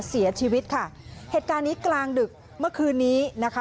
เสียชีวิตค่ะเหตุการณ์นี้กลางดึกเมื่อคืนนี้นะคะ